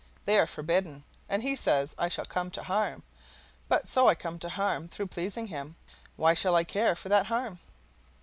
They are forbidden, and he says I shall come to harm; but so I come to harm through pleasing him, why shall I care for that harm?